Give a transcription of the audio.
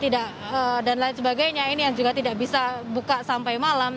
dan lain sebagainya ini yang juga tidak bisa buka sampai malam